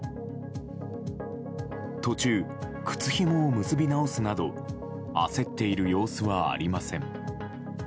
途中、靴ひもを結び直すなど焦っている様子はありません。